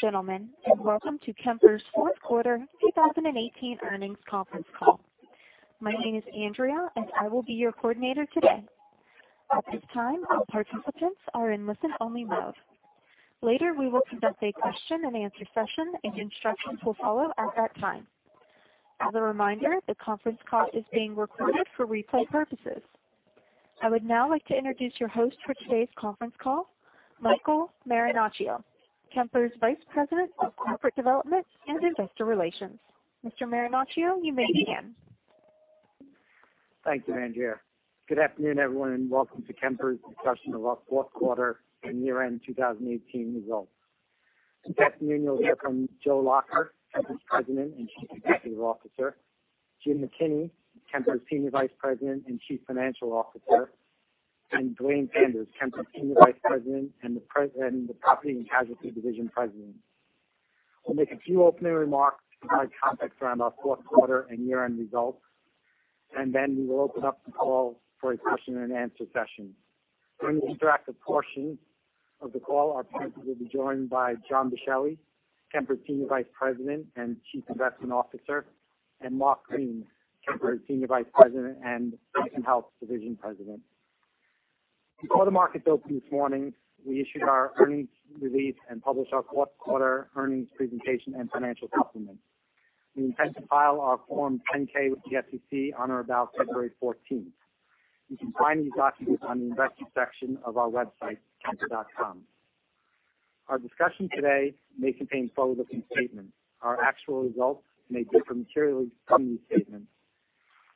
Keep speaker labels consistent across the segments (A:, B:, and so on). A: Good afternoon, ladies and gentlemen, and welcome to Kemper's fourth quarter 2018 earnings conference call. My name is Andrea, and I will be your coordinator today. At this time, all participants are in listen only mode. Later, we will conduct a question and answer session, and instructions will follow at that time. As a reminder, the conference call is being recorded for replay purposes. I would now like to introduce your host for today's conference call, Michael Marinaccio, Kemper's Vice President of Corporate Development and Investor Relations. Mr. Marinaccio, you may begin.
B: Thank you, Andrea. Good afternoon, everyone, and welcome to Kemper's discussion of our fourth quarter and year-end 2018 results. This afternoon, you'll hear from Joe Lacher, Kemper's President and Chief Executive Officer, Jim McKinney, Kemper's Senior Vice President and Chief Financial Officer, and Duane Sanders, Kemper's Senior Vice President and the Property and Casualty Division President. We'll make a few opening remarks to provide context around our fourth quarter and year-end results, and then we will open up the call for a question and answer session. During the interactive portion of the call, our participants will be joined by John Boschelli, Kemper's Senior Vice President and Chief Investment Officer, and Mark Green, Kemper's Senior Vice President and Life & Health Division President. Before the markets opened this morning, we issued our earnings release and published our fourth quarter earnings presentation and financial supplements. We intend to file our Form 10-K with the SEC on or about February 14. You can find these documents on the investor section of our website, kemper.com. Our discussion today may contain forward-looking statements. Our actual results may differ materially from these statements.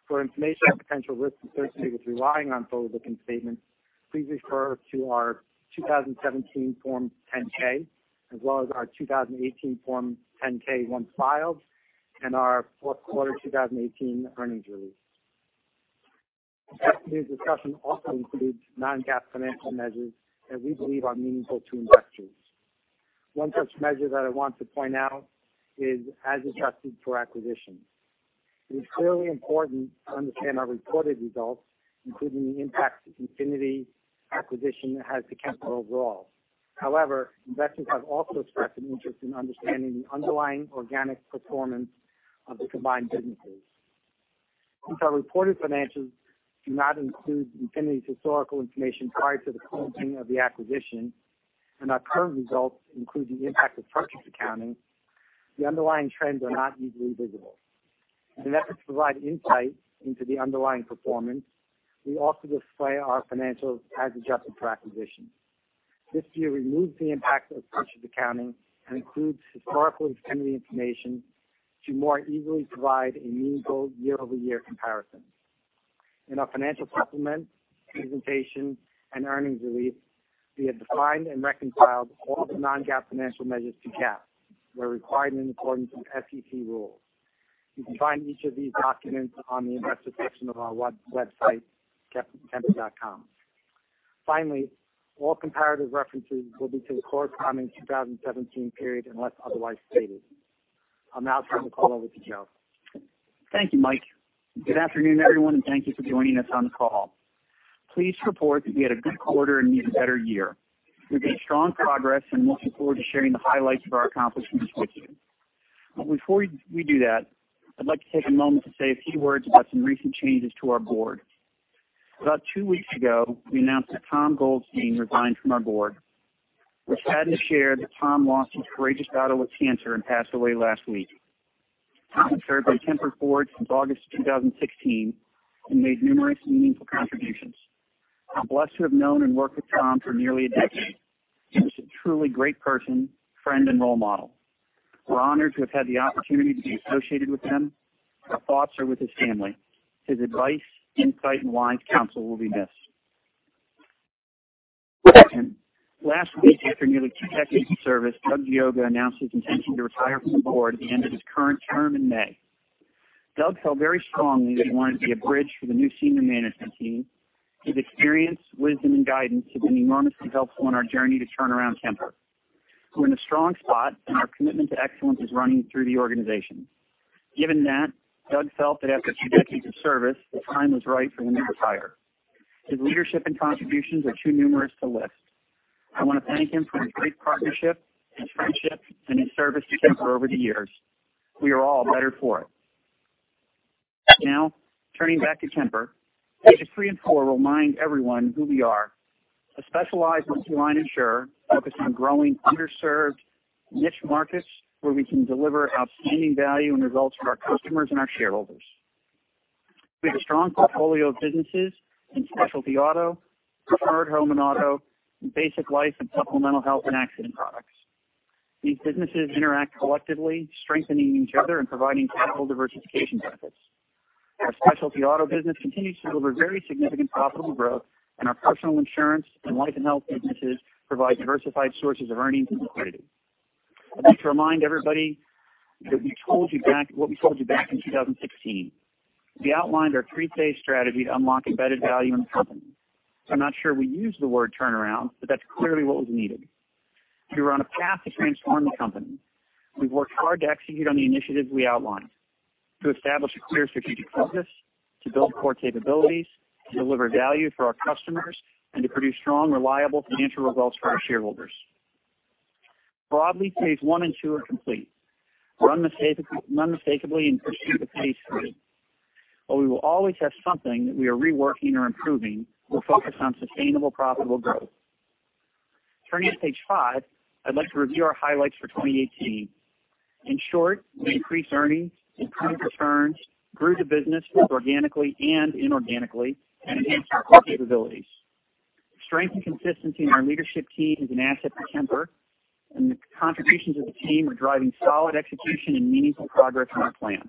B: For information on potential risks and uncertainties relying on forward-looking statements, please refer to our 2017 Form 10-K as well as our 2018 Form 10-K, once filed, and our fourth quarter 2018 earnings release. This afternoon's discussion also includes non-GAAP financial measures that we believe are meaningful to investors. One such measure that I want to point out is as adjusted for acquisitions. It is clearly important to understand our reported results, including the impact the Infinity acquisition has to Kemper overall. Since our reported financials do not include Infinity's historical information prior to the closing of the acquisition, and our current results include the impact of purchase accounting, the underlying trends are not easily visible. In an effort to provide insight into the underlying performance, we also display our financials as adjusted for acquisitions. This view removes the impact of purchase accounting and includes historical Infinity information to more easily provide a meaningful year-over-year comparison. In our financial supplements, presentation, and earnings release, we have defined and reconciled all the non-GAAP financial measures to GAAP where required in accordance with SEC rules. You can find each of these documents on the investor section of our website, kemper.com. Finally, all comparative references will be to the corresponding 2017 period unless otherwise stated. I'll now turn the call over to Joe.
C: Thank you, Mike. Good afternoon, everyone, thank you for joining us on the call. Pleased to report that we had a good quarter and an even better year. We've made strong progress, we're looking forward to sharing the highlights of our accomplishments with you. Before we do that, I'd like to take a moment to say a few words about some recent changes to our board. About two weeks ago, we announced that Tom Goldstein resigned from our board. We're saddened to share that Tom lost his courageous battle with cancer and passed away last week. Tom served on Kemper's board since August 2016 and made numerous meaningful contributions. I'm blessed to have known and worked with Tom for nearly a decade. He was a truly great person, friend, and role model. We're honored to have had the opportunity to be associated with him. Our thoughts are with his family. His advice, insight, and wise counsel will be missed. Last week, after nearly two decades of service, Doug Geoga announced his intention to retire from the board at the end of his current term in May. Doug felt very strongly that he wanted to be a bridge for the new senior management team. His experience, wisdom, and guidance have been enormously helpful on our journey to turn around Kemper. We're in a strong spot, our commitment to excellence is running through the organization. Given that, Doug felt that after two decades of service, the time was right for him to retire. His leadership and contributions are too numerous to list. I want to thank him for his great partnership, his friendship, and his service to Kemper over the years. We are all better for it. Turning back to Kemper, pages three and four remind everyone who we are, a specialized multi-line insurer focused on growing underserved niche markets where we can deliver outstanding value and results for our customers and our shareholders. We have a strong portfolio of businesses in specialty auto, preferred home and auto, and basic life and supplemental health and accident products. These businesses interact collectively, strengthening each other and providing valuable diversification benefits. Our specialty auto business continues to deliver very significant profitable growth, our personal insurance and Life & Health businesses provide diversified sources of earnings and liquidity. I'd like to remind everybody what we told you back in 2016. We outlined our three-phase strategy to unlock embedded value in the company. I'm not sure we used the word turnaround, that's clearly what was needed. We were on a path to transform the company. We've worked hard to execute on the initiatives we outlined. To establish a clear strategic focus, to build core capabilities, to deliver value for our customers, and to produce strong, reliable financial results for our shareholders. Broadly, page one and two are complete. We're unmistakably in pursuit of page three. While we will always have something that we are reworking or improving, we're focused on sustainable profitable growth. Turning to page five, I'd like to review our highlights for 2018. In short, we increased earnings, improved returns, grew the business both organically and inorganically, and enhanced our core capabilities. Strength and consistency in our leadership team is an asset for Kemper, the contributions of the team are driving solid execution and meaningful progress on our plan.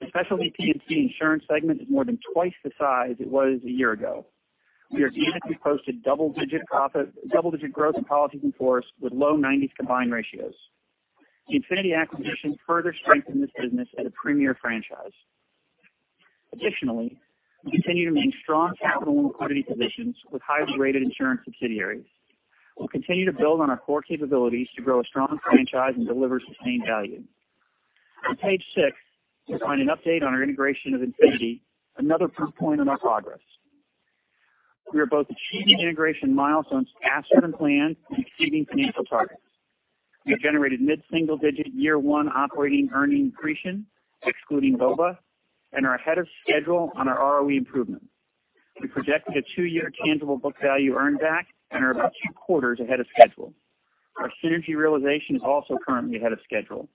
C: The Specialty P&C insurance segment is more than twice the size it was a year ago. We are pleased that we posted double-digit growth in policies in force with low 90s combined ratios. The Infinity acquisition further strengthened this business at a premier franchise. We continue to maintain strong capital and liquidity positions with highly rated insurance subsidiaries. We'll continue to build on our core capabilities to grow a strong franchise and deliver sustained value. On page six, you'll find an update on our integration of Infinity, another proof point in our progress. We are both achieving integration milestones faster than planned and exceeding financial targets. We have generated mid-single digit year one operating earnings accretion, excluding VOBA, and are ahead of schedule on our ROE improvements. We projected a two-year tangible book value earn back and are about two quarters ahead of schedule. Our synergy realization is also currently ahead of schedule.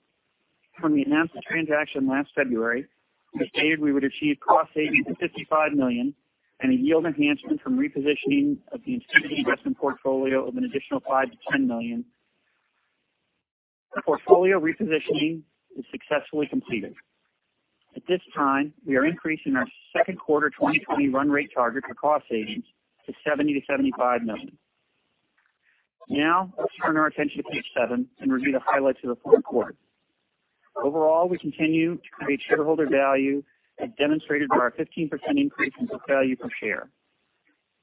C: When we announced the transaction last February, we stated we would achieve cost savings of $55 million and a yield enhancement from repositioning of the Infinity investment portfolio of an additional $5 million-$10 million. The portfolio repositioning is successfully completed. At this time, we are increasing our second quarter 2020 run rate target for cost savings to $70 million-$75 million. Let's turn our attention to page seven and review the highlights of the fourth quarter. We continue to create shareholder value, as demonstrated by our 15% increase in book value per share.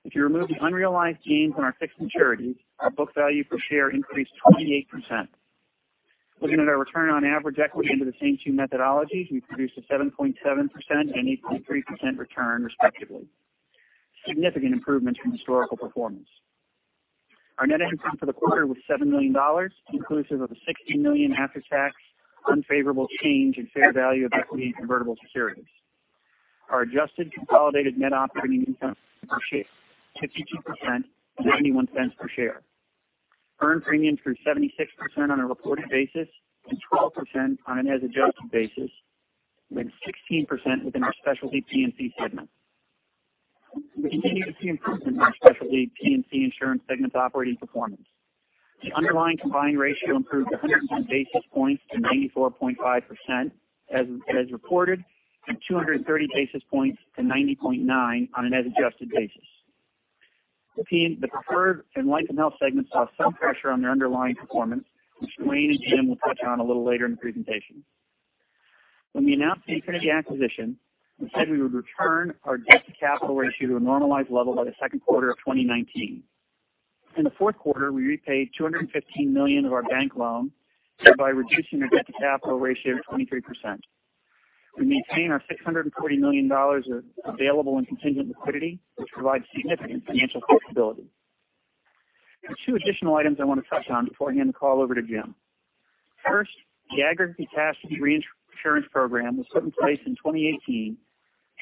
C: If you remove the unrealized gains on our fixed maturities, our book value per share increased 28%. Looking at our return on average equity under the same two methodologies, we produced a 7.7% and 8.3% return respectively. Significant improvements from historical performance. Our net income for the quarter was $7 million, inclusive of a $16 million after-tax unfavorable change in fair value of equity and convertible securities. Our adjusted consolidated net operating income per share, 52%, and $0.91 per share. Earned premium through 76% on a reported basis and 12% on an as-adjusted basis, with 16% within our Specialty P&C segment. We continue to see improvement in our Specialty P&C insurance segment's operating performance. The underlying combined ratio improved 110 basis points to 94.5% as reported, and 230 basis points to 90.9% on an as-adjusted basis. The Preferred and Life & Health segments saw some pressure on their underlying performance, which Duane and Jim will touch on a little later in the presentation. When we announced the Infinity acquisition, we said we would return our debt-to-capital ratio to a normalized level by the second quarter of 2019. In the fourth quarter, we repaid $215 million of our bank loan by reducing our debt-to-capital ratio to 23%. We maintain our $640 million of available and contingent liquidity, which provides significant financial flexibility. There are two additional items I want to touch on before I hand the call over to Jim. First, the aggregate catastrophe reinsurance program was put in place in 2018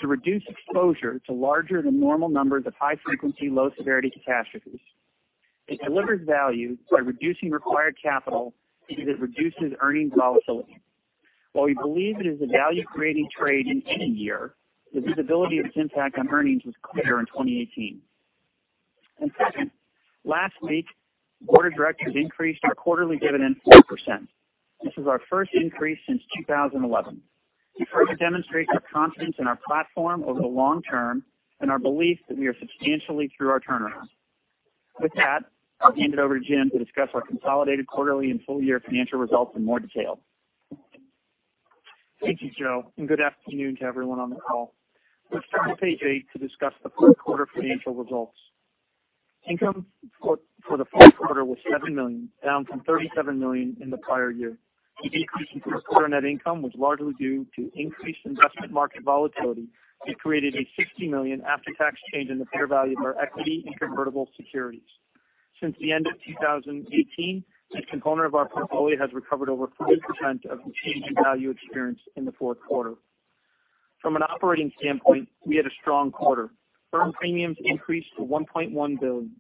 C: to reduce exposure to larger than normal numbers of high frequency, low severity catastrophes. It delivers value by reducing required capital because it reduces earnings volatility. While we believe it is a value-creating trade in any year, the visibility of its impact on earnings was clear in 2018. Second, last week, board of directors increased our quarterly dividend 4%. This is our first increase since 2011. We further demonstrate our confidence in our platform over the long term and our belief that we are substantially through our turnaround. With that, I will hand it over to Jim McKinney to discuss our consolidated quarterly and full-year financial results in more detail.
D: Thank you, Joe Lacher, and good afternoon to everyone on the call. Let's turn to page eight to discuss the fourth quarter financial results. Income for the fourth quarter was $7 million, down from $37 million in the prior year. The decrease in fourth quarter net income was largely due to increased investment market volatility that created a $60 million after-tax change in the fair value of our equity and convertible securities. Since the end of 2018, this component of our portfolio has recovered over 40% of the change in value experienced in the fourth quarter. From an operating standpoint, we had a strong quarter. Earned premiums increased to $1.1 billion.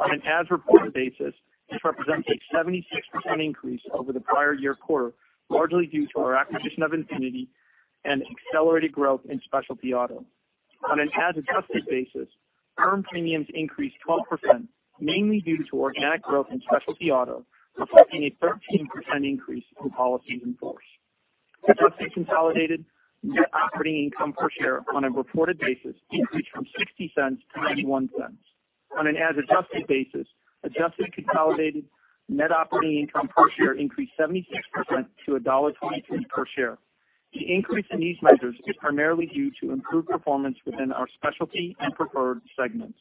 D: On an as-reported basis, this represents a 76% increase over the prior year quarter, largely due to our acquisition of Infinity and accelerated growth in specialty auto. On an as-adjusted basis, earned premiums increased 12%, mainly due to organic growth in specialty auto, reflecting a 13% increase in policies in force. Adjusted consolidated net operating income per share on a reported basis increased from $0.60 to $0.91. On an as-adjusted basis, adjusted consolidated net operating income per share increased 76% to $1.23 per share. The increase in these measures is primarily due to improved performance within our Specialty and Preferred segments.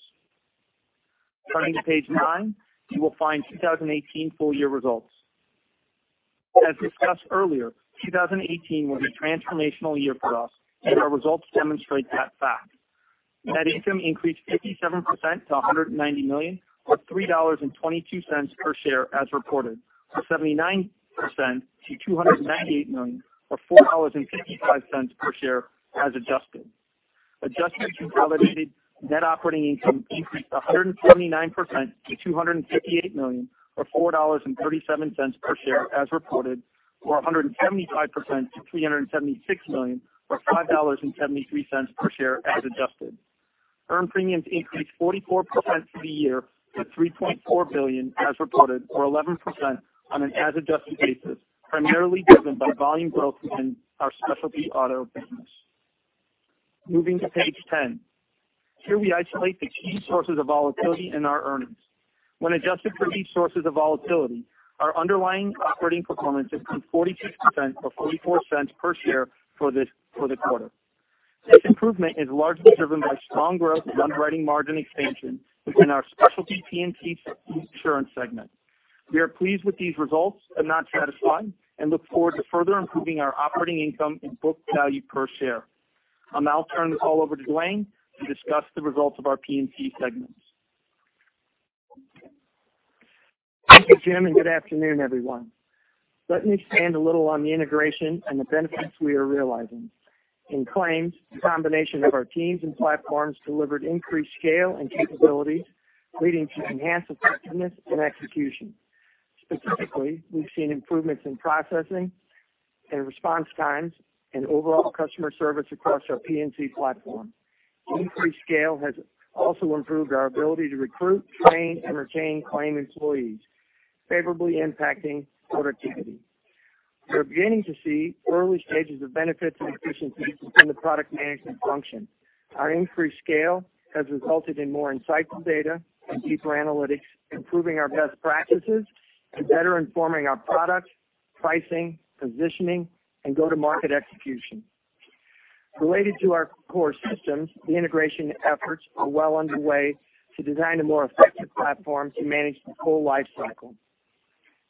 D: Turning to page nine, you will find 2018 full year results. As discussed earlier, 2018 was a transformational year for us, and our results demonstrate that fact. Net income increased 57% to $190 million, or $3.22 per share as reported, or 79% to $298 million, or $4.55 per share as adjusted. Adjusted consolidated net operating income increased 129% to $258 million, or $4.37 per share as reported, or 175% to $376 million, or $5.73 per share as adjusted. Earned premiums increased 44% through the year to $3.4 billion as reported, or 11% on an as-adjusted basis, primarily driven by volume growth within our specialty auto business. Moving to page 10. Here we isolate the key sources of volatility in our earnings. When adjusted for these sources of volatility, our underlying operating performance increased 46% or $0.44 per share for the quarter. This improvement is largely driven by strong growth and underwriting margin expansion within our Specialty P&C insurance segment. We are pleased with these results, but not satisfied, and look forward to further improving our operating income and book value per share. I will now turn the call over to Duane Sanders to discuss the results of our P&C segments.
E: Thank you, Jim, and good afternoon, everyone. Let me expand a little on the integration and the benefits we are realizing. In claims, the combination of our teams and platforms delivered increased scale and capabilities, leading to enhanced effectiveness and execution. Specifically, we've seen improvements in processing and response times and overall customer service across our P&C platform. Increased scale has also improved our ability to recruit, train, and retain claim employees, favorably impacting productivity. We're beginning to see early stages of benefits and efficiencies within the product management function. Our increased scale has resulted in more insightful data and deeper analytics, improving our best practices and better informing our product, pricing, positioning, and go-to-market execution. Related to our core systems, the integration efforts are well underway to design a more effective platform to manage the full life cycle.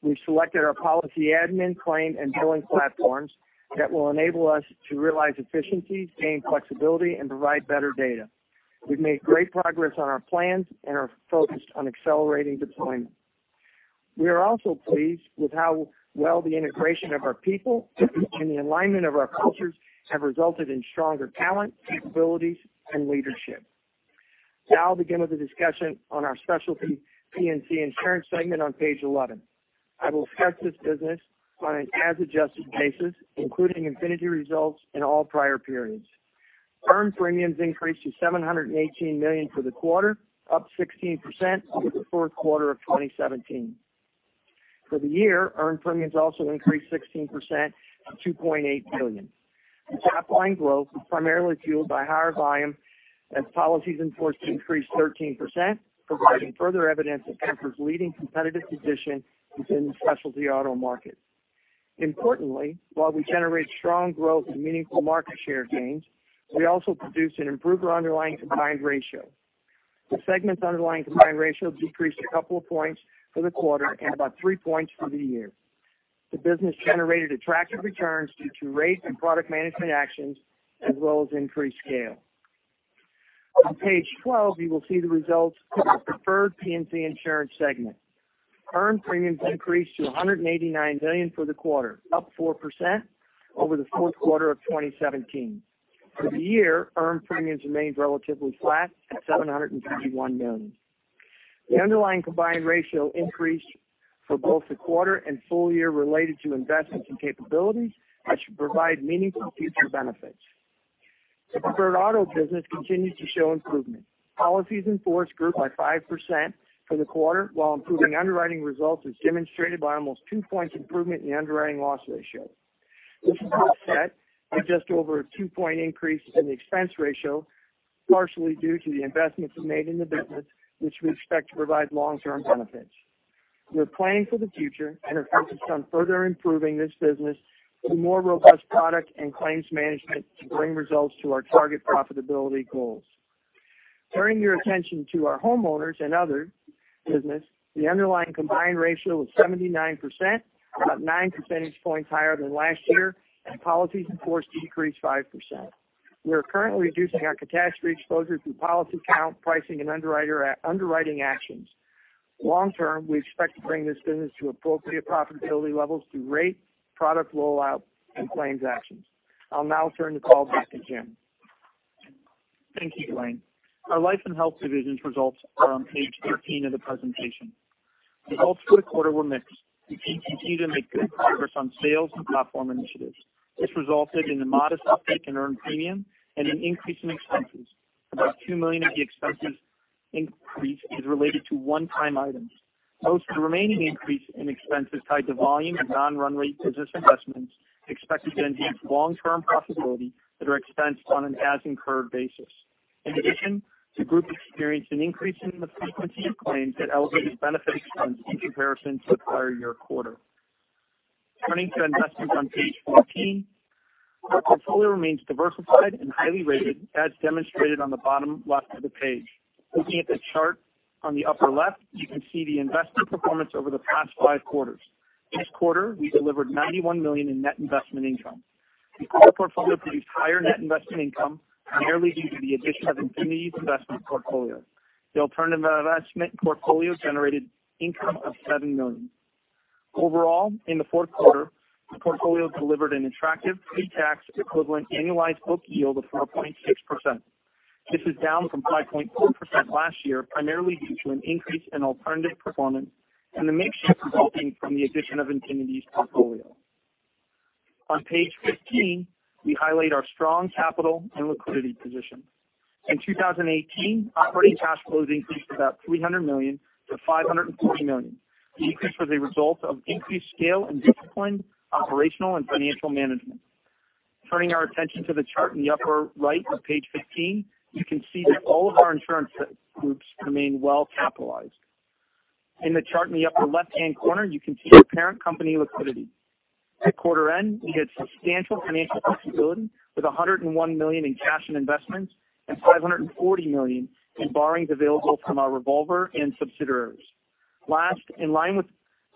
E: We've selected our policy admin, claim, and billing platforms that will enable us to realize efficiencies, gain flexibility, and provide better data. We've made great progress on our plans and are focused on accelerating deployment. We are also pleased with how well the integration of our people and the alignment of our cultures have resulted in stronger talent, capabilities, and leadership. I'll begin with a discussion on our specialty P&C insurance segment on page 11. I will discuss this business on an as-adjusted basis, including Infinity results in all prior periods. Earned premiums increased to $718 million for the quarter, up 16% over the fourth quarter of 2017. For the year, earned premiums also increased 16% to $2.8 billion. This underlying growth was primarily fueled by higher volume as policies in force increased 13%, providing further evidence of Kemper's leading competitive position within the specialty auto market. Importantly, while we generate strong growth and meaningful market share gains, we also produced an improved underlying combined ratio. The segment's underlying combined ratio decreased a couple of points for the quarter and about three points for the year. The business generated attractive returns due to rate and product management actions, as well as increased scale. On page 12, you will see the results for our preferred P&C insurance segment. Earned premiums increased to $189 million for the quarter, up 4% over the fourth quarter of 2017. For the year, earned premiums remained relatively flat at $751 million. The underlying combined ratio increased for both the quarter and full year related to investments and capabilities that should provide meaningful future benefits. The preferred auto business continues to show improvement. Policies in force grew by 5% for the quarter while improving underwriting results as demonstrated by almost two points improvement in the underwriting loss ratio. This is offset by just over a two-point increase in the expense ratio, partially due to the investments we made in the business, which we expect to provide long-term benefits. We're planning for the future and are focused on further improving this business through more robust product and claims management to bring results to our target profitability goals. Turning your attention to our Homeowners and other business, the underlying combined ratio was 79%, about nine percentage points higher than last year, and policies in force decreased 5%. We are currently reducing our catastrophe exposure through policy count, pricing, and underwriting actions. Long-term, we expect to bring this business to appropriate profitability levels through rate, product rollout, and claims actions. I'll now turn the call back to Jim.
D: Thank you, Duane. Our Life & Health divisions results are on page 13 of the presentation. Results for the quarter were mixed. The group continued to make good progress on sales and platform initiatives. This resulted in a modest uptick in earned premium and an increase in expenses. About $2 million of the expenses increase is related to one-time items. Most of the remaining increase in expense is tied to volume and non-run rate business investments expected to enhance long-term profitability that are expensed on an as-incurred basis. In addition, the group experienced an increase in the frequency of claims that elevated benefits from key comparisons to the prior year quarter. Turning to investments on page 14, our portfolio remains diversified and highly rated, as demonstrated on the bottom left of the page. Looking at the chart on the upper left, you can see the investment performance over the past five quarters. This quarter, we delivered $91 million in net investment income. The core portfolio produced higher net investment income, primarily due to the addition of Infinity's investment portfolio. The alternative investment portfolio generated income of $7 million. Overall, in the fourth quarter, the portfolio delivered an attractive pre-tax equivalent annualized book yield of 4.6%. This is down from 5.4% last year, primarily due to an increase in alternative performance and the mix shift resulting from the addition of Infinity's portfolio. On page 15, we highlight our strong capital and liquidity position. In 2018, operating cash flows increased about $300 million to $540 million. The increase was a result of increased scale and disciplined operational and financial management. Turning our attention to the chart in the upper right of page 15, you can see that all of our insurance groups remain well-capitalized. In the chart in the upper left-hand corner, you can see our parent company liquidity. At quarter end, we had substantial financial flexibility with $101 million in cash and investments and $540 million in borrowings available from our revolver and subsidiaries. Last, in line with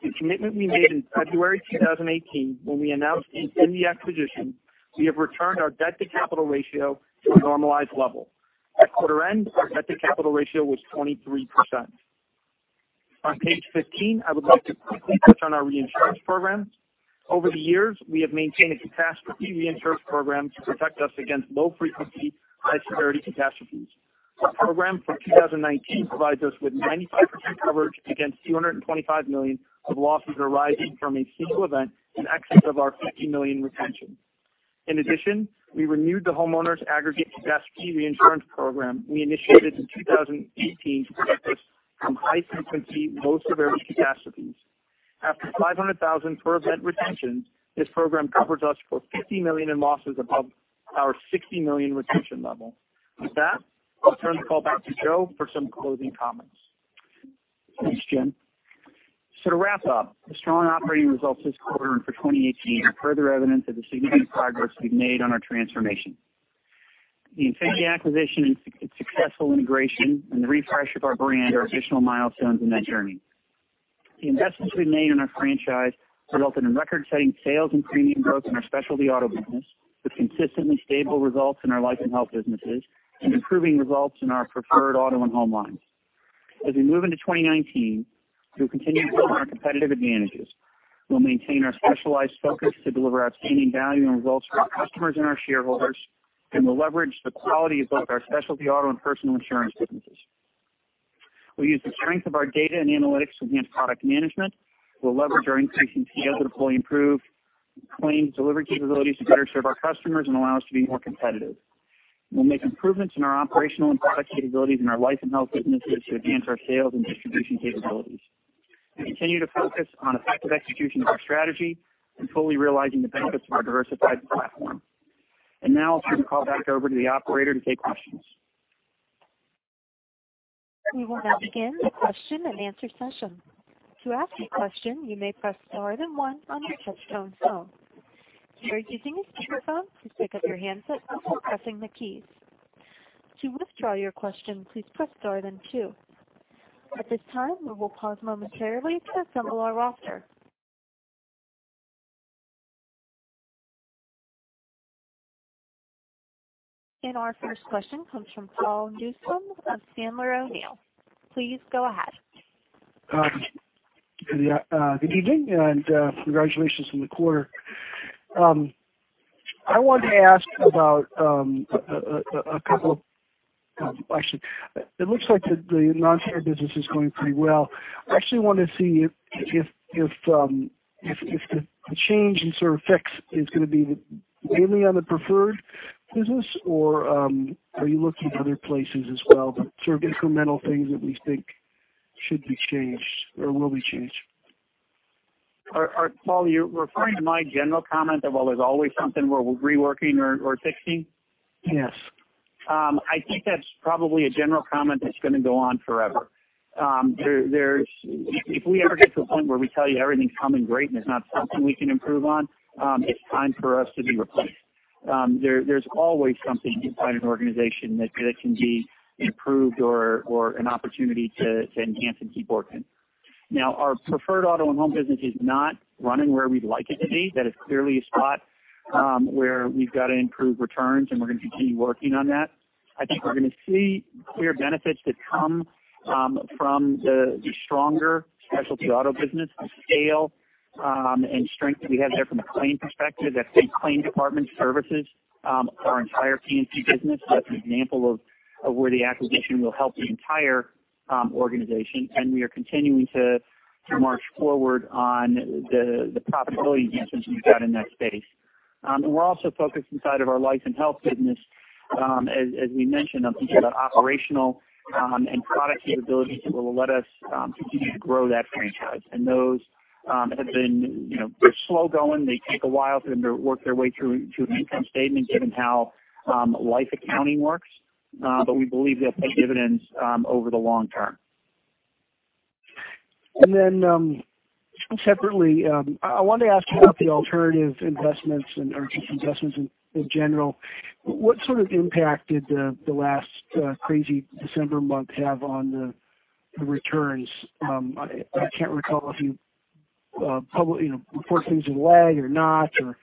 D: the commitment we made in February 2018 when we announced the Infinity acquisition, we have returned our debt-to-capital ratio to a normalized level. At quarter end, our debt-to-capital ratio was 23%. On page 15, I would like to quickly touch on our reinsurance program. Over the years, we have maintained a catastrophe reinsurance program to protect us against low-frequency, high-severity catastrophes. Our program for 2019 provides us with 95% coverage against $225 million of losses arising from a single event in excess of our $50 million retention. In addition, we renewed the homeowners aggregate catastrophe reinsurance program we initiated in 2018 to protect us from high-frequency, low-severity catastrophes. After $500,000 per event retention, this program covers us for $50 million in losses above our $60 million retention level. With that, I'll turn the call back to Joe for some closing comments.
C: Thanks, Jim. To wrap up, the strong operating results this quarter and for 2018 are further evidence of the significant progress we've made on our transformation. The Infinity acquisition and its successful integration and the refresh of our brand are additional milestones in that journey. The investments we've made in our franchise resulted in record-setting sales and premium growth in our Specialty Auto business, with consistently stable results in our Life & Health businesses and improving results in our Preferred Auto and home lines. As we move into 2019, we'll continue to build on our competitive advantages. We'll maintain our specialized focus to deliver outstanding value and results for our customers and our shareholders. We'll leverage the quality of both our Specialty Auto and personal insurance businesses. We'll use the strength of our data and analytics to enhance product management. We'll leverage our increasing CTO to fully improve claims delivery capabilities to better serve our customers and allow us to be more competitive. We'll make improvements in our operational and product capabilities in our Life & Health businesses to advance our sales and distribution capabilities. We continue to focus on effective execution of our strategy and fully realizing the benefits of our diversified platform. Now I'll turn the call back over to the operator to take questions.
A: We will now begin the question-and-answer session. To ask a question, you may press star then one on your touch-tone phone. If you are using a speakerphone, please pick up your handset before pressing the keys. To withdraw your question, please press star then two. At this time, we will pause momentarily to assemble our roster. Our first question comes from Paul Newsome of Sandler O'Neill. Please go ahead.
F: Good evening, and congratulations on the quarter. I wanted to ask about a couple of questions. It looks like the non-share business is going pretty well. I actually want to see if the change in sort of fix is going to be mainly on the preferred business, or are you looking at other places as well, sort of incremental things that we think should be changed or will be changed?
C: Paul, you're referring to my general comment of, well, there's always something we're reworking or fixing?
F: Yes.
C: I think that's probably a general comment that's going to go on forever. If we ever get to a point where we tell you everything's humming great and there's not something we can improve on, it's time for us to be replaced. There's always something inside an organization that can be improved or an opportunity to enhance and keep working. Now, our preferred auto and home business is not running where we'd like it to be. That is clearly a spot where we've got to improve returns, and we're going to continue working on that. I think we're going to see clear benefits that come from the stronger specialty auto business, the scale and strength that we have there from a claim perspective, that same claim department services our entire P&C business. That's an example of where the acquisition will help the entire organization, and we are continuing to march forward on the profitability enhancements we've got in that space. We're also focused inside of our Life and Health business, as we mentioned, on these operational and product capabilities that will let us continue to grow that franchise. Those have been slow going. They take a while for them to work their way through to an income statement given how life accounting works. We believe they'll pay dividends over the long term.
F: Separately, I wanted to ask about the alternative investments and just investments in general. What sort of impact did the last crazy December month have on the returns? I cannot recall if you report things in lag or not, or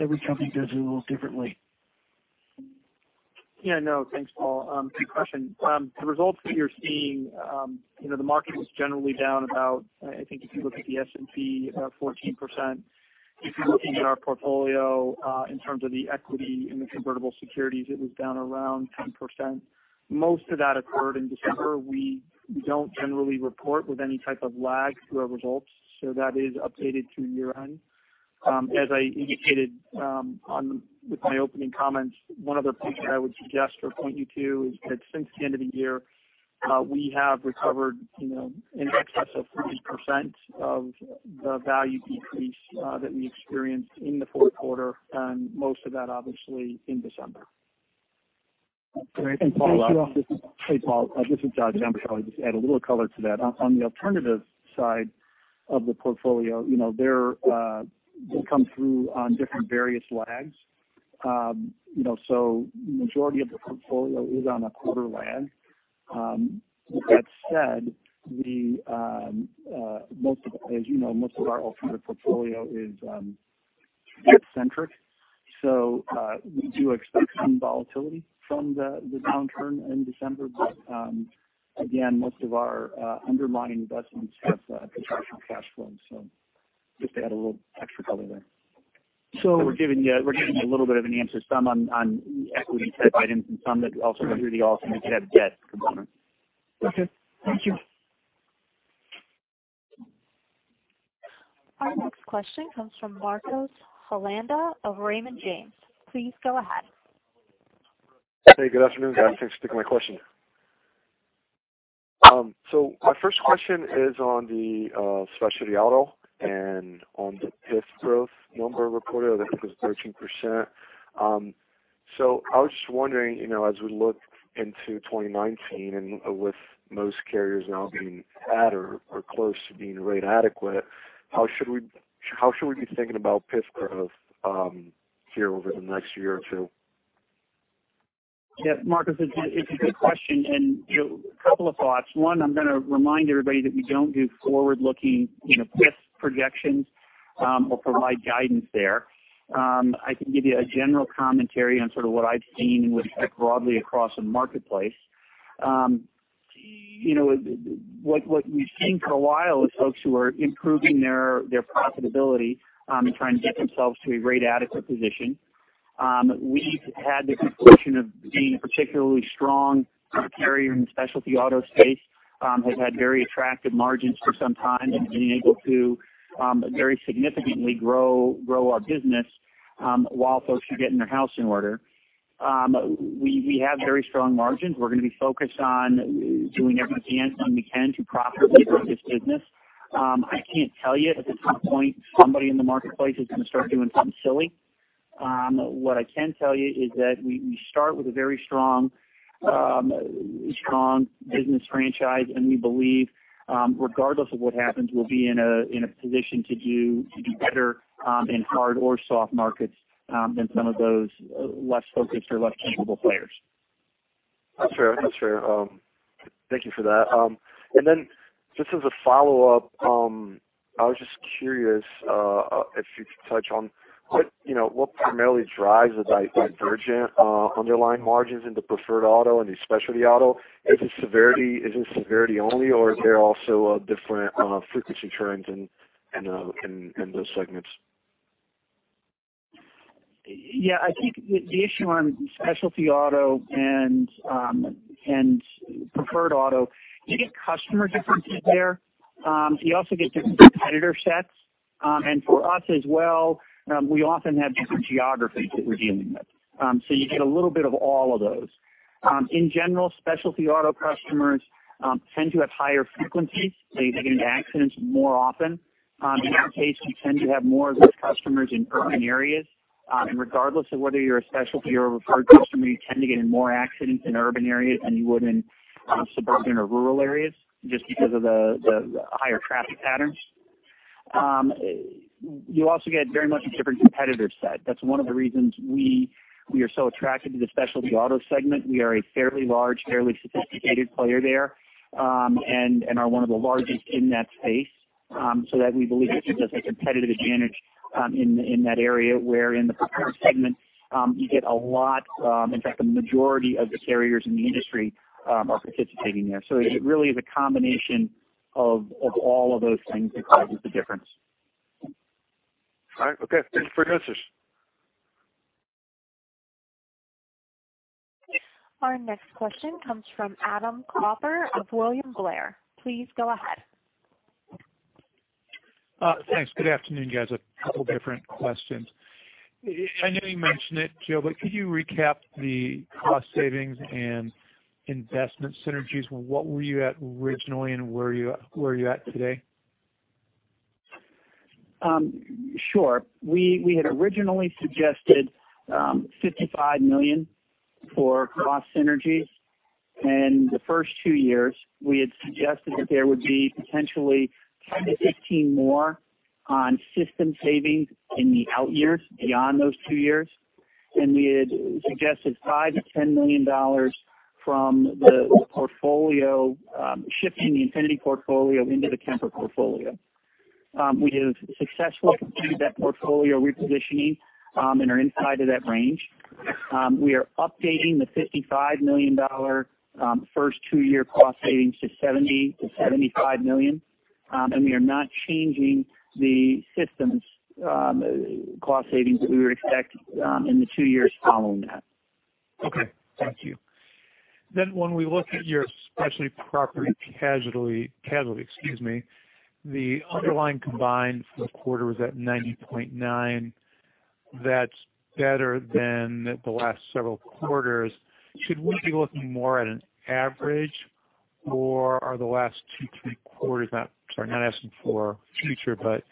F: every company does it a little differently.
D: Thanks, Paul. Good question. The results that you are seeing, the market was generally down about, I think if you look at the S&P, 14%. If you are looking at our portfolio, in terms of the equity and convertible securities, it was down around 10%. Most of that occurred in December. We do not generally report with any type of lag through our results, so that is updated through year-end. As I indicated with my opening comments, one other point that I would suggest or point you to is that since the end of the year, we have recovered in excess of 30% of the value decrease that we experienced in the fourth quarter, and most of that, obviously, in December.
F: Great. Thank you.
G: Hey, Paul. This is Josh Kemper. I will just add a little color to that. On the alternative side of the portfolio, they come through on different various lags. Majority of the portfolio is on a quarter lag. With that said, as you know, most of our alternative portfolio is credit-centric, we do expect some volatility from the downturn in December. Again, most of our underlying investments have contractual cash flows. Just to add a little extra color there.
H: We're giving you a little bit of an answer, some on equity-type items and some that also under the alternative debt component.
F: Okay, thank you.
A: Our next question comes from Marcos Holanda of Raymond James. Please go ahead.
I: Hey, good afternoon, guys. Thanks for taking my question. My first question is on the specialty auto and on the PIF growth number reported, I think it was 13%. I was just wondering, as we look into 2019, and with most carriers now being at or close to being rate adequate, how should we be thinking about PIF growth here over the next year or two?
C: Marcos, it is a good question. A couple of thoughts. One, I am going to remind everybody that we do not do forward-looking PIF projections or provide guidance there. I can give you a general commentary on what I have seen with effect broadly across the marketplace. What we have seen for a while is folks who are improving their profitability and trying to get themselves to a rate-adequate position. We have had the good fortune of being a particularly strong carrier in the specialty auto space, have had very attractive margins for some time, and have been able to very significantly grow our business while folks are getting their house in order. We have very strong margins. We are going to be focused on doing everything we can to profitably grow this business. I cannot tell you at this point somebody in the marketplace is going to start doing something silly. What I can tell you is that we start with a very strong business franchise. We believe regardless of what happens, we will be in a position to do better in hard or soft markets than some of those less focused or less capable players.
I: That is fair. Thank you for that. Just as a follow-up, I was just curious if you could touch on what primarily drives the divergent underlying margins in the preferred auto and the specialty auto. Is it severity only, or are there also different frequency trends in those segments?
C: I think the issue on specialty auto and preferred auto, you get customer differences there. You also get different competitor sets. For us as well, we often have different geographies that we are dealing with. You get a little bit of all of those. In general, specialty auto customers tend to have higher frequencies, so they get into accidents more often. In our case, we tend to have more of those customers in urban areas. Regardless of whether you are a specialty or a preferred customer, you tend to get in more accidents in urban areas than you would in suburban or rural areas just because of the higher traffic patterns. You also get very much a different competitor set. That is one of the reasons we are so attracted to the specialty auto segment. We are a fairly large, fairly sophisticated player there, and are one of the largest in that space. That we believe gives us a competitive advantage in that area where in the preferred segment, you get a lot, in fact, the majority of the carriers in the industry are participating there. It really is a combination of all of those things that causes the difference.
I: All right. Okay. Thank you for the answers.
A: Our next question comes from Adam Klauber of William Blair. Please go ahead.
J: Thanks. Good afternoon, guys. A couple different questions. I know you mentioned it, Joe, could you recap the cost savings and investment synergies? What were you at originally and where are you at today?
C: Sure. We had originally suggested $55 million for cost synergies. The first 2 years, we had suggested that there would be potentially $10 million to $15 million more on system savings in the out years beyond those 2 years. We had suggested $5 million to $10 million from shifting the Infinity portfolio into the Kemper portfolio. We have successfully completed that portfolio repositioning and are inside of that range. We are updating the $55 million first 2-year cost savings to $70 million to $75 million. We are not changing the systems cost savings that we were expecting in the 2 years following that.
J: Okay. Thank you. When we look at your Specialty Property Casualty, the underlying combined for the quarter was at 90.9. That's better than the last several quarters. Should we be looking more at an average, or are the last 2, 3 quarters, sorry, not asking for future, but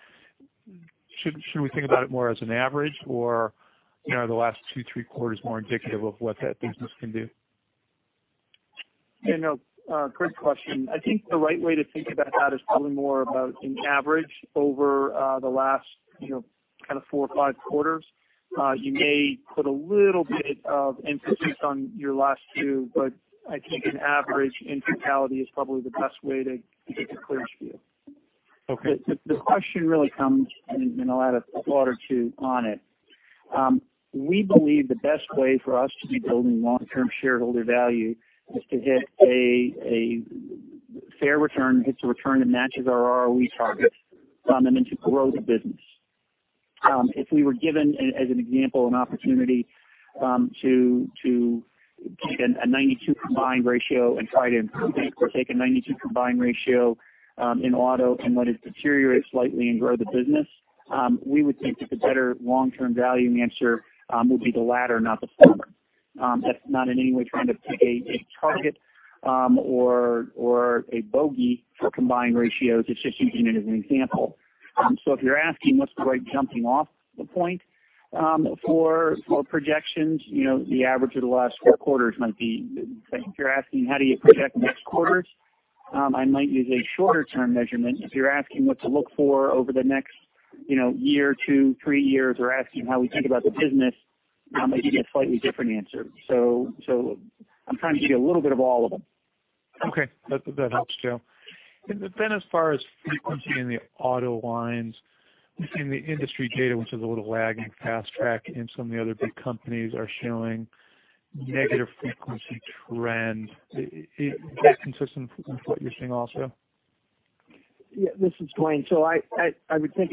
J: should we think about it more as an average, or are the last 2, 3 quarters more indicative of what that business can do?
D: Yeah, no, great question. I think the right way to think about that is probably more about an average over the last 4 or 5 quarters. You may put a little bit of emphasis on your last 2, but I think an average in totality is probably the best way to get the clearest view.
J: Okay.
C: The question really comes, I'll add a thought or 2 on it. We believe the best way for us to be building long-term shareholder value is to hit a fair return, hit the return that matches our ROE targets, to grow the business. If we were given, as an example, an opportunity to take a 92 combined ratio and try to improve it or take a 92 combined ratio in auto and let it deteriorate slightly and grow the business, we would think that the better long-term value answer would be the latter, not the former. That's not in any way trying to pick a target or a bogey for combined ratios. It's just using it as an example. If you're asking what's the right jumping off the point for projections, the average of the last 4 quarters might be. If you're asking how do you project next quarters, I might use a shorter-term measurement. If you're asking what to look for over the next year or two, three years, or asking how we think about the business, I might give you a slightly different answer. I'm trying to give you a little bit of all of them.
J: Okay. That helps, Joe. As far as frequency in the auto lines, in the industry data, which is a little laggy, FastTrack and some of the other big companies are showing negative frequency trend. Is that consistent with what you're seeing also?
E: Yeah, this is Duane. I would think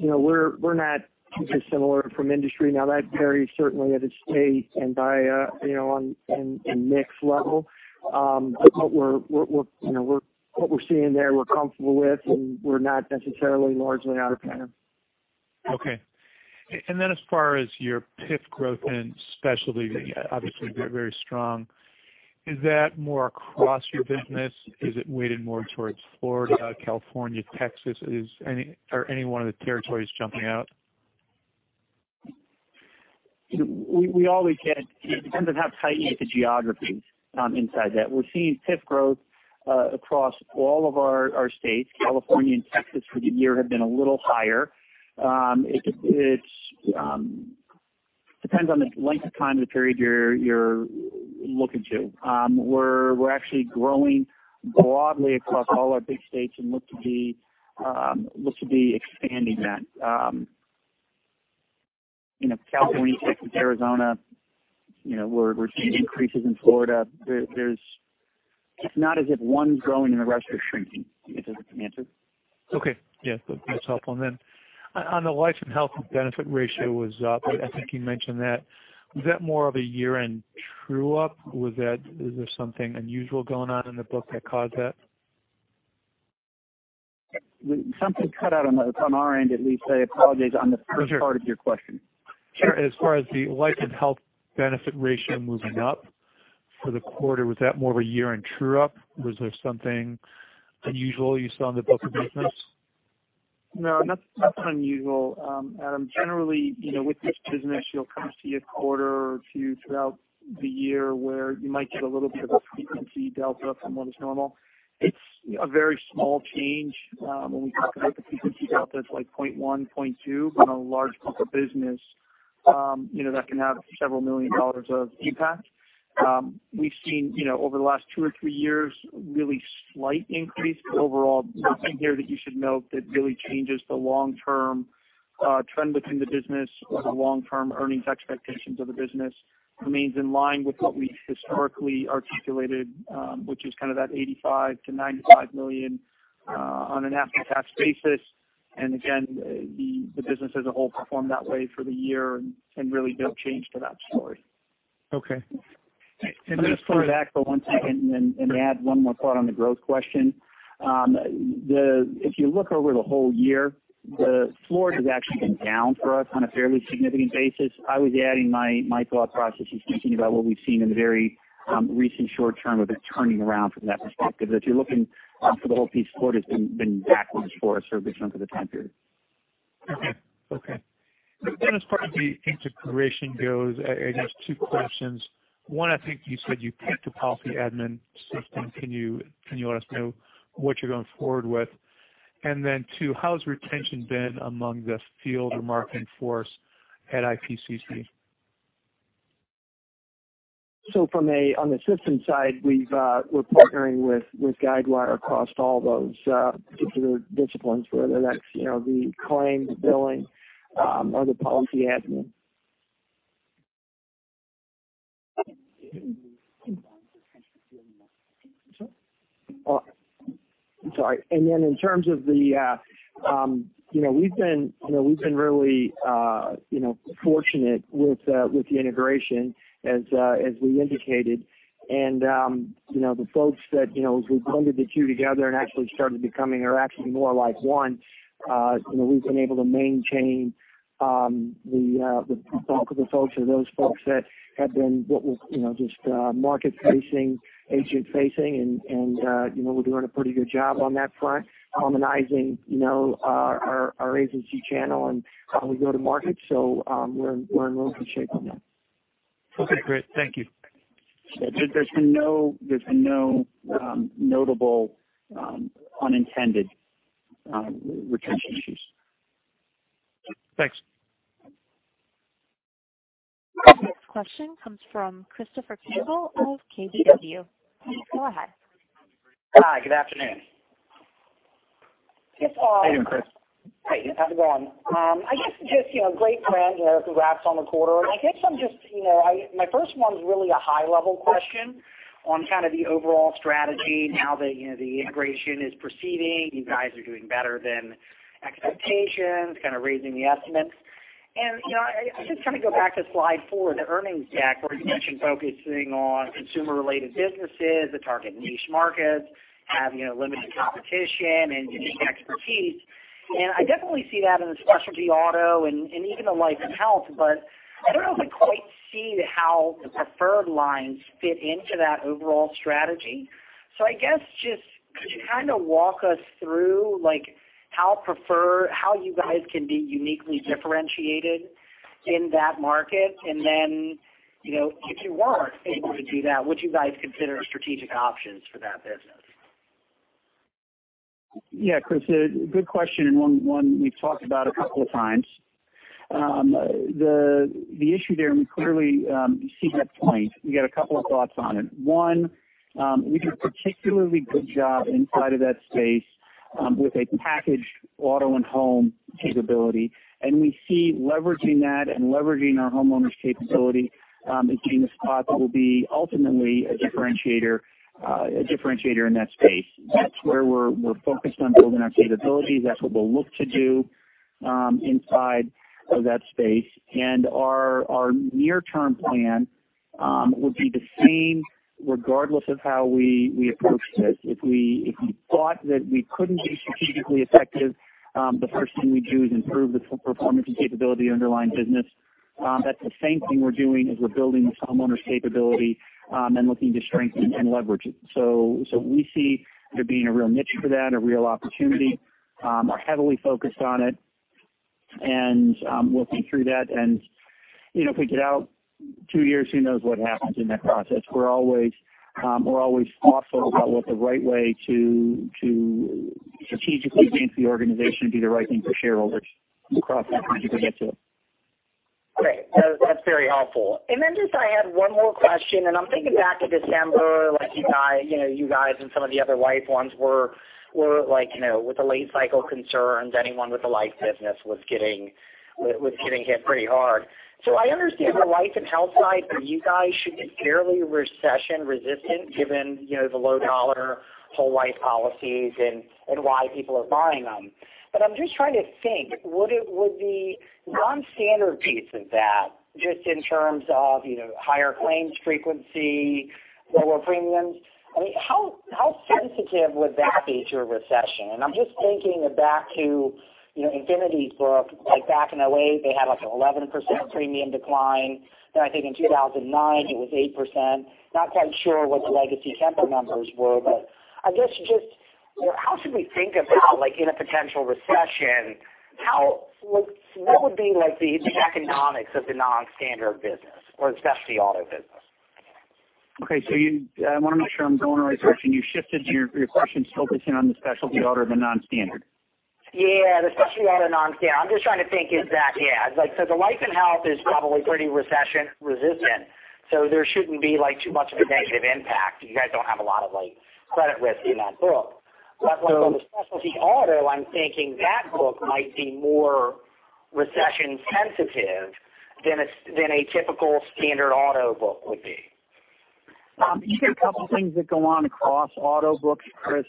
E: we're not too dissimilar from industry. Now, that varies certainly at a state and by, and mix level. What we're seeing there, we're comfortable with, and we're not necessarily largely out of pattern.
J: Okay. As far as your PIF growth in specialty, obviously very strong. Is that more across your business? Is it weighted more towards Florida, California, Texas? Are any one of the territories jumping out?
C: It depends on how tight you get the geography inside that. We're seeing PIF growth across all of our states. California and Texas for the year have been a little higher. It depends on the length of time of the period you're looking to. We're actually growing broadly across all our big states and look to be expanding that. California, Texas, Arizona, we're seeing increases in Florida. It's not as if one's growing and the rest are shrinking, I guess is the answer.
J: Okay. Yeah. That's helpful. Then on the Life & Health benefit ratio was up, I think you mentioned that. Was that more of a year-end true-up? Is there something unusual going on in the book that caused that?
C: Something cut out on our end, at least. I apologize on the first part of your question.
J: Sure. As far as the Life & Health benefit ratio moving up for the quarter, was that more of a year-end true-up? Was there something unusual you saw in the book of business?
D: No, nothing unusual, Adam. Generally, with this business, you'll come see a quarter or two throughout the year where you might get a little bit of a frequency delta from what is normal. It's a very small change when we talk about the frequency delta, it's like 0.1, 0.2, but on a large book of business that can have several million dollars of impact. We've seen over the last two or three years, really slight increase overall. Nothing here that you should note that really changes the long-term trend within the business or the long-term earnings expectations of the business. Remains in line with what we've historically articulated, which is kind of that $85 million-$95 million on an after-tax basis. The business as a whole performed that way for the year, really no change to that story.
J: Okay.
C: Let me just pull it back for one second and add one more thought on the growth question. If you look over the whole year, the Florida has actually been down for us on a fairly significant basis. I was adding my thought process just thinking about what we've seen in the very recent short term of it turning around from that perspective. If you're looking for the whole piece, Florida has been backwards for us for a big chunk of the time period.
J: Okay. As part of the integration goes, I guess two questions. One, I think you said you picked a policy admin system. Can you let us know what you're going forward with? Two, how's retention been among the field marketing force at IPCC?
C: On the system side, we're partnering with Guidewire across all those particular disciplines, whether that's the claims, billing, or the policy admin. I'm sorry. We've been really fortunate with the integration, as we indicated. The folks that, as we blended the two together, they're actually more like one. We've been able to maintain the bulk of the folks are those folks that have been just market-facing, agent-facing, we're doing a pretty good job on that front, harmonizing our agency channel, how we go to market. We're in really good shape on that.
J: Okay, great. Thank you.
C: There's been no notable unintended retention issues.
J: Thanks.
A: Next question comes from Christopher Campbell of KBW. Go ahead.
K: Hi, good afternoon.
C: How you doing, Chris?
K: Hi, how's it going? I guess just great trends here as we wrap on the quarter. I guess my first one's really a high-level question on kind of the overall strategy now that the integration is proceeding. You guys are doing better than expectations, kind of raising the estimates. I guess kind of go back to slide four of the earnings deck, where you mentioned focusing on consumer-related businesses that target niche markets, have limited competition, and unique expertise. I definitely see that in the Specialty Auto and even the Life & Health, but I don't know if I quite see how the preferred lines fit into that overall strategy. I guess just could you kind of walk us through how you guys can be uniquely differentiated in that market? If you weren't able to do that, would you guys consider strategic options for that business?
C: Yeah, Chris, a good question, one we've talked about a couple of times. The issue there, we clearly see that point. We got a couple of thoughts on it. One, we do a particularly good job inside of that space with a packaged auto and home capability, we see leveraging that and leveraging our homeowners capability and seeing a spot that will be ultimately a differentiator in that space. That's where we're focused on building our capabilities. That's what we'll look to do inside of that space. Our near-term plan would be the same regardless of how we approach this. If we thought that we couldn't be strategically effective, the first thing we'd do is improve the performance and capability of the underlying business. That's the same thing we're doing as we're building this homeowners capability and looking to strengthen and leverage it. We see there being a real niche for that, a real opportunity. We are heavily focused on it, working through that. If we get out two years, who knows what happens in that process. We're always thoughtful about what the right way to strategically advance the organization and do the right thing for shareholders across that bridge we get to.
K: Great. That's very helpful. I had one more question, I'm thinking back to December, you guys and some of the other Life ones were with the late cycle concerns, anyone with the Life business was getting hit pretty hard. I understand the Life & Health side for you guys should be fairly recession resistant given the low dollar whole life policies and why people are buying them. But I'm just trying to think, would the non-standard piece of that, just in terms of higher claims frequency, lower premiums, how sensitive would that be to a recession? I'm just thinking back to Infinity's book. Back in 2008, they had an 11% premium decline. I think in 2009, it was 8%. Not quite sure what the legacy Kemper numbers were, I guess just how should we think about in a potential recession, what would be the economics of the non-standard business or the specialty auto business?
C: Okay. I want to make sure I'm going in the right direction. You shifted your questions focusing on the specialty auto, the non-standard.
K: Yeah, the specialty auto, non-standard. I'm just trying to think is that, yeah. The Life & Health is probably pretty recession resistant, there shouldn't be too much of a negative impact. You guys don't have a lot of credit risk in that book. With the specialty auto, I'm thinking that book might be more recession sensitive than a typical standard auto book would be.
C: You get a couple of things that go on across auto books, Chris,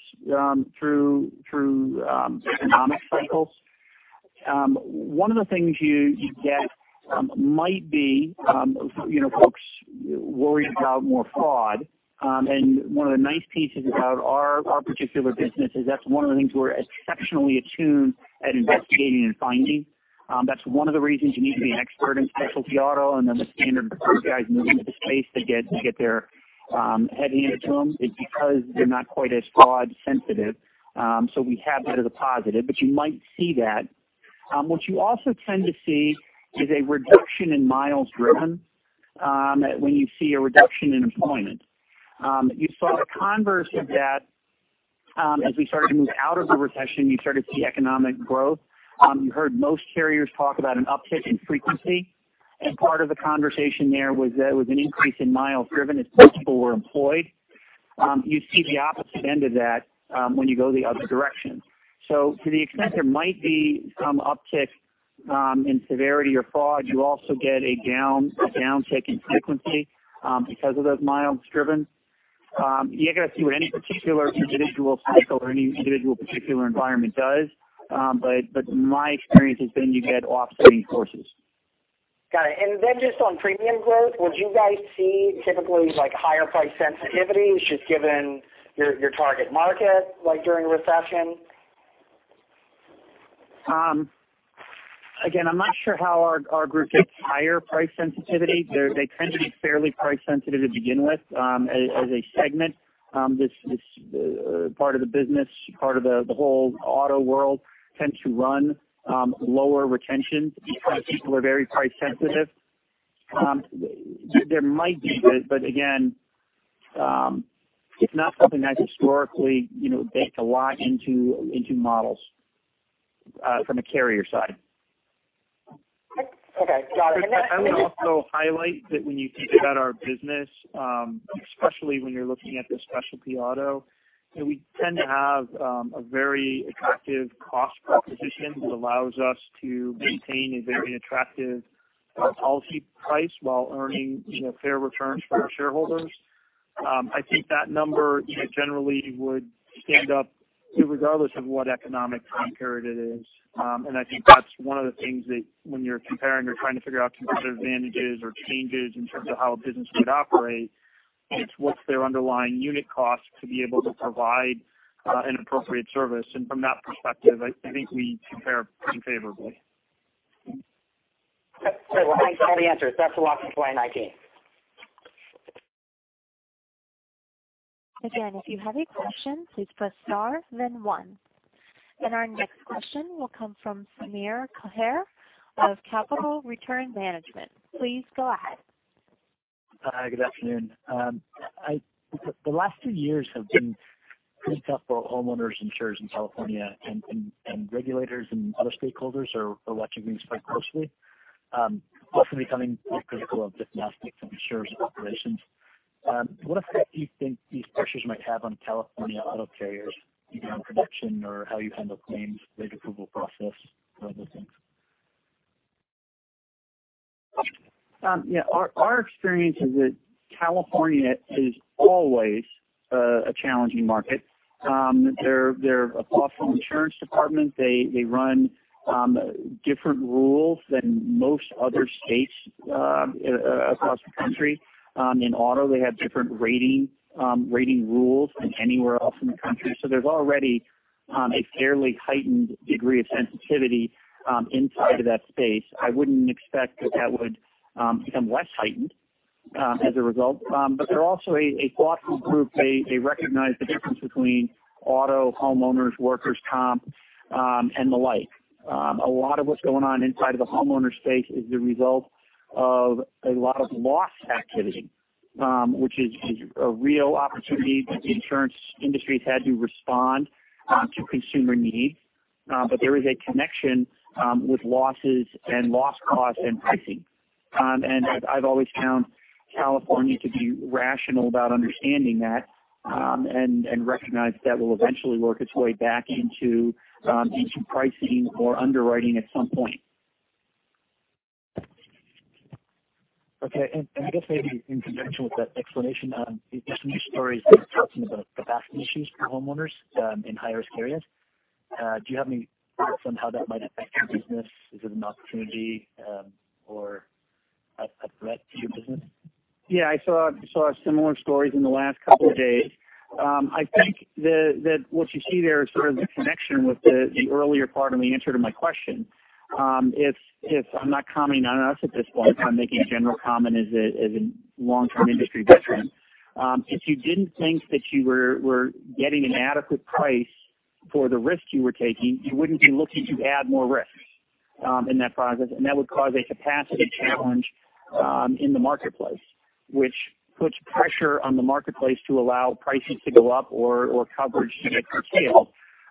C: through economic cycles. One of the things you get might be folks worried about more fraud. One of the nice pieces about our particular business is that's one of the things we're exceptionally attuned at investigating and finding. That's one of the reasons you need to be an expert in specialty auto, the standard guys move into the space, they get their head handed to them because they're not quite as fraud sensitive. We have that as a positive, but you might see that. What you also tend to see is a reduction in miles driven When you see a reduction in employment. You saw the converse of that as we started to move out of the recession, you started to see economic growth. You heard most carriers talk about an uptick in frequency. Part of the conversation there was that it was an increase in miles driven as more people were employed. You see the opposite end of that when you go the other direction. To the extent there might be some uptick in severity or fraud, you also get a downtick in frequency because of those miles driven. You're going to see what any particular individual cycle or any individual particular environment does. My experience has been you've had offsetting forces.
K: Got it. Just on premium growth, would you guys see typically higher price sensitivity, just given your target market during a recession?
C: I'm not sure how our group gets higher price sensitivity. They tend to be fairly price sensitive to begin with as a segment. This part of the business, part of the whole auto world tends to run lower retention because people are very price sensitive. There might be, again, it's not something I've historically baked a lot into models from a carrier side.
K: Okay, got it.
C: I would also highlight that when you think about our business, especially when you're looking at the specialty auto, we tend to have a very attractive cost proposition that allows us to maintain a very attractive policy price while earning fair returns for our shareholders. I think that number generally would stand up regardless of what economic time period it is. I think that's one of the things that when you're comparing or trying to figure out competitive advantages or changes in terms of how a business would operate, it's what's their underlying unit cost to be able to provide an appropriate service. From that perspective, I think we compare pretty favorably.
K: Thanks for the answers. That's the walk through 2019.
A: if you have a question, please press star then one. Our next question will come from Shamsheer Kaher of Capital Return Management. Please go ahead.
L: Hi, good afternoon. The last two years have been pretty tough for homeowners insurers in California, and regulators and other stakeholders are watching things quite closely, also becoming more critical of different aspects of insurers' operations. What effect do you think these pressures might have on California auto carriers, either on production or how you handle claims, rate approval process, those other things?
C: Our experience is that California is always a challenging market. They're a thoughtful insurance department. They run different rules than most other states across the country. In auto, they have different rating rules than anywhere else in the country. There's already a fairly heightened degree of sensitivity inside of that space. I wouldn't expect that that would become less heightened as a result. They're also a thoughtful group. They recognize the difference between auto, homeowners, workers' comp, and the like. A lot of what's going on inside of the homeowner space is the result of a lot of loss activity, which is a real opportunity that the insurance industry has had to respond to consumer needs. There is a connection with losses and loss costs and pricing.
D: I've always found California to be rational about understanding that, and recognize that will eventually work its way back into pricing or underwriting at some point.
L: Okay. I guess maybe in conjunction with that explanation, there's been news stories talking about capacity issues for homeowners in high-risk areas. Do you have any thoughts on how that might affect your business? Is it an opportunity or a threat to your business?
C: Yeah, I saw similar stories in the last couple of days. I think that what you see there is the connection with the earlier part of the answer to my question. I'm not commenting on us at this point. I'm making a general comment as a long-term industry veteran. If you didn't think that you were getting an adequate price for the risk you were taking, you wouldn't be looking to add more risk in that process, and that would cause a capacity challenge in the marketplace, which puts pressure on the marketplace to allow prices to go up or coverage to get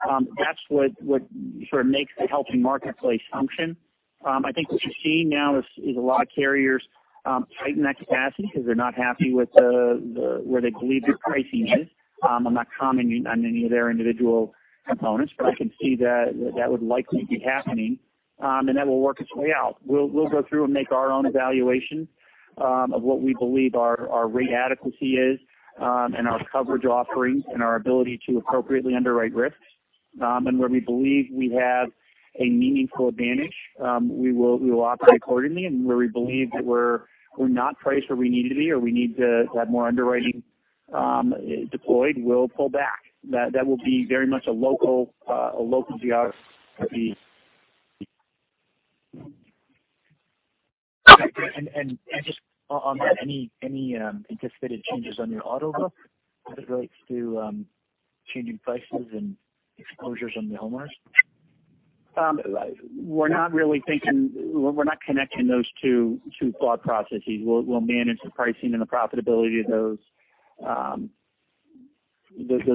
C: scaled. That's what makes the healthy marketplace function. I think what you're seeing now is a lot of carriers tighten that capacity because they're not happy with where they believe their pricing is. I'm not commenting on any of their individual components, I can see that that would likely be happening, that will work its way out. We'll go through and make our own evaluation of what we believe our rate adequacy is, our coverage offerings, and our ability to appropriately underwrite risks. Where we believe we have a meaningful advantage, we will operate accordingly, and where we believe that we're not priced where we need to be or we need to have more underwriting deployed, we'll pull back. That will be very much a local geography.
L: Just on that, any anticipated changes on your auto book as it relates to changing prices and exposures on the homeowners?
C: We're not connecting those two thought processes. We'll manage the pricing and the profitability of those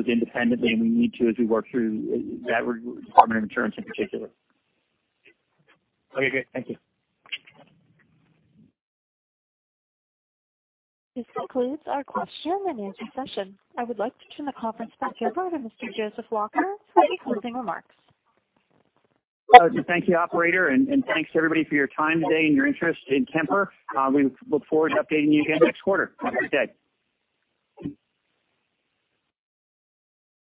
C: independently, and we need to as we work through that Department of Insurance in particular.
L: Okay, great. Thank you.
A: This concludes our question and answer session. I would like to turn the conference back over to Mr. Joe Lacher for any closing remarks.
C: Thank you, operator, and thanks to everybody for your time today and your interest in Kemper. We look forward to updating you again next quarter. Have a good day.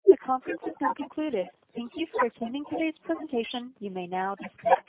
A: The conference is now concluded. Thank you for attending today's presentation. You may now disconnect.